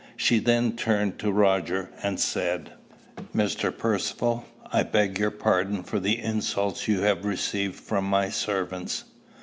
She then turned to Roger and said, "Mr. Percivale, I beg your pardon for the insults you have received from my servants."